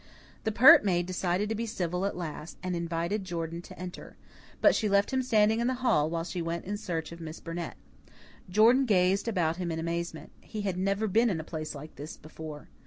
The pert maid decided to be civil at least, and invited Jordan to enter. But she left him standing in the hall while she went in search of Miss Burnett. Jordan gazed about him in amazement. He had never been in any place like this before.